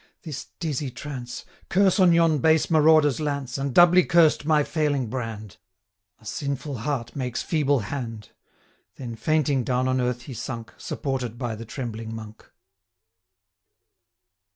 this dizzy trance Curse on yon base marauder's lance, And doubly cursed my failing brand! 960 A sinful heart makes feeble hand.' Then, fainting, down on earth he sunk, Supported by the trembling Monk.